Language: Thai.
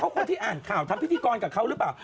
คนที่อ่านข่าวทำพิธีกรกับเขาหรือเปล่า